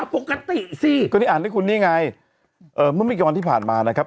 ปกติสิก็ได้อ่านให้คุณนี่ไงเอ่อเมื่อไม่ก่อนที่ผ่านมานะครับ